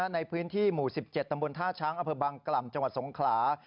ในพื้นที่หมู่๑๗ตำบลท่าช้างอำเภอบางกล่ำจังหวัดสงขลา